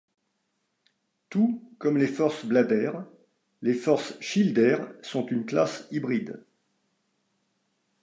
Tout comme les Force Blader, les Force Shielder sont une classe hybride.